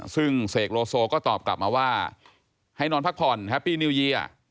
ซึ่งเสกโลโซก็ตอบกลับมาว่าให้นอนพักผ่อนแฮปปี้นิวเยีย